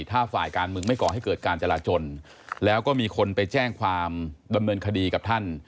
ถ้าฝ่ายการเมืองไม่ก่อให้เกิดการจราจนแล้วก็มีคนไปแจ้งความดำเนินคดีกับท่าน